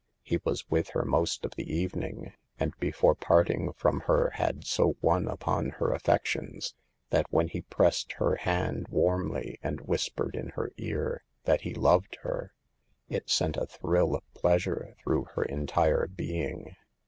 He was with her most of the evening, and before parting from her had so won upon her affections that when he pressed her hand warmly and whispered in her ear that he loved her, it sent a thrill of pleasure through her entire being.